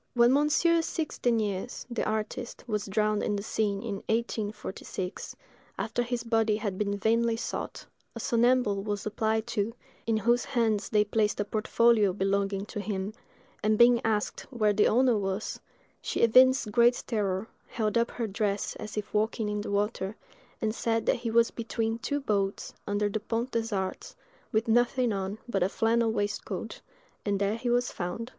When Monsieur Six Deniers, the artist, was drowned in the Seine in 1846, after his body had been vainly sought, a somnambule was applied to, in whose hands they placed a portfolio belonging to him; and being asked where the owner was, she evinced great terror, held up her dress as if walking in the water, and said that he was between two boats, under the Pont des Arts, with nothing on but a flannel waistcoat: and there he was found.